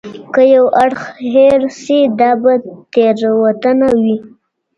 که یو اړخ هېر سي دا به تېروتنه وي.